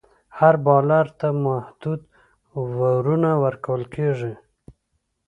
هر بالر ته محدود اوورونه ورکول کیږي.